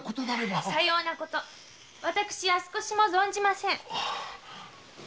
さようなこと私は少しも存じません！